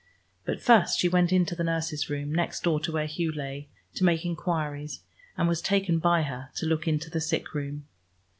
But first she went into the nurse's room, next door to where Hugh lay, to make enquiries, and was taken by her to look into the sick room.